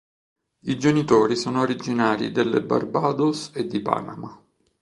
I genitori sono originari delle Barbados e di Panama.